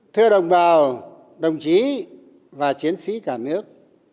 thưa đồng bào đồng chí và chiến sĩ cả nước